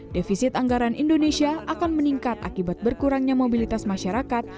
defisit anggaran indonesia akan meningkat akibat berkurangnya mobilitas masyarakat